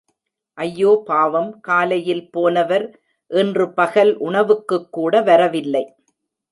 ஐயோ பாவம், காலையில் போனவர் இன்று பகல் உணவுக்குக்கூட வரவில்லை.